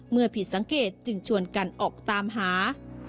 ผิดสังเกตจึงชวนกันออกตามหา